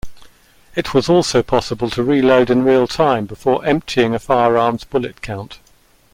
It was also possible to reload in real-time before emptying a firearm's bullet count.